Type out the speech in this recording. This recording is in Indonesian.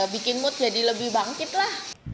bikin mood jadi lebih bangkit lah